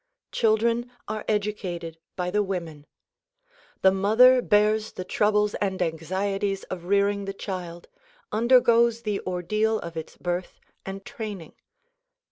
Children are educated by the women. The mother bears the troubles and anxieties of rearing the child ; undergoes the ordeal of its birth and training.